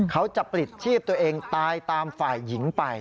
เขาจะปลิดชีพตัวเองตายตามฝ่ายหญิงไป